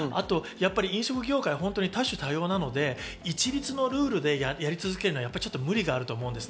飲食業界は多種多様なので、一律のルールでやり続けるのは無理があると思います。